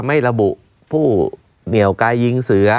ไม่ระบุผู้เหนี่ยวกายยิงเสือ